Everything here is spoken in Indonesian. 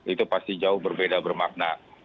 itu pasti jauh berbeda bermakna